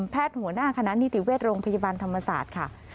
หัวหน้าคณะนิติเวชโรงพยาบาลธรรมศาสตร์ค่ะ